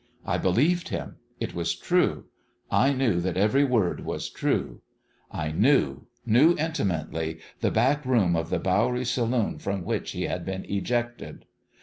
I believed him. It was true. I knew that every word was true. I knew knew intimately the back room of the Bowery saloon from which he had been ejected.